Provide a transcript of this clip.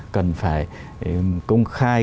cần phải công khai